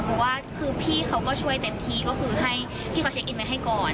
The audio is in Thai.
เพราะว่าคือพี่เขาก็ช่วยเต็มที่ก็คือให้พี่เขาเช็คอินไว้ให้ก่อน